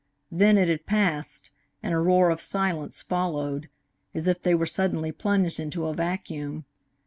Then it had passed, and a roar of silence followed, as if they were suddenly plunged into a vacuum.